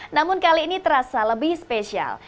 namun kali ini terasa lebih spesial